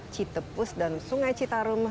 citepus dan sungai citarum